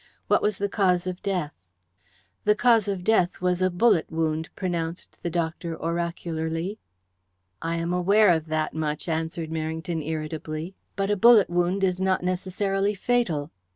What was the cause of death?" "The cause of death was a bullet wound," pronounced the doctor oracularly. "I am aware of that much," answered Merrington irritably. "But a bullet wound is not necessarily fatal.